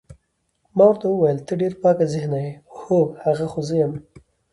ما ورته وویل ته ډېر پاک ذهنه یې، هو، هغه خو زه یم.